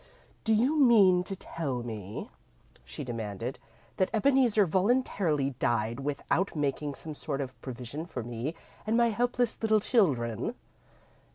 "Do you mean to tell me," she demanded, "that Ebeneezer voluntarily died without making some sort of provision for me and my helpless little children?"